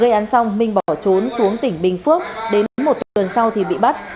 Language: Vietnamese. gây án xong minh bỏ trốn xuống tỉnh bình phước đến một tuần sau thì bị bắt